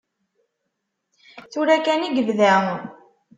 Tura kan i yebda.